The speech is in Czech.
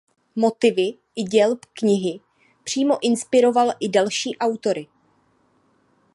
Motivy i děj knihy přímo inspiroval i další autory.